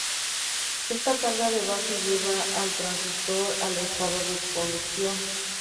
Esta carga de base lleva el transistor al estado de conducción.